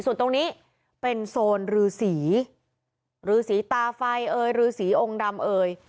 ส่วนตรงนี้เป็นโซนรือสีหรือสีตาไฟเอ่ยรือสีองค์ดำเอ่ย